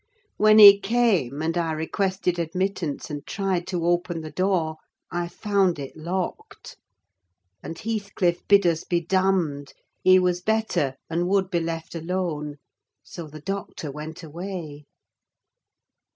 When he came, and I requested admittance and tried to open the door, I found it locked; and Heathcliff bid us be damned. He was better, and would be left alone; so the doctor went away.